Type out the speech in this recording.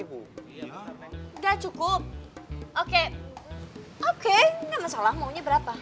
udah cukup oke oke nggak masalah maunya berapa